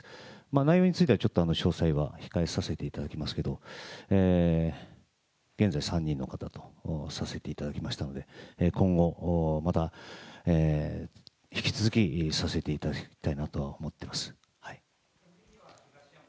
内容についてはちょっと、詳細は控えさせていただきますけど、現在、３人の方とさせていただきましたので、今後、また引き続きさせていただきたいなとは思っています。